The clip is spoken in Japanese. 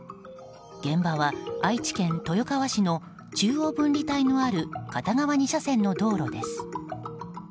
現場は愛知県豊川市の中央分離帯のある片側２車線の道路です。